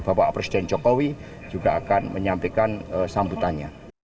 bapak presiden jokowi juga akan menyampaikan sambutannya